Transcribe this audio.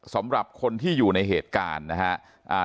สำหรับคนที่อยู่ในเหตุการณ์นะครับ